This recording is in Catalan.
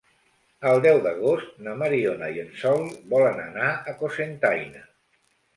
El deu d'agost na Mariona i en Sol volen anar a Cocentaina.